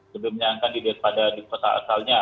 lebih menyenangkan daripada di kota asalnya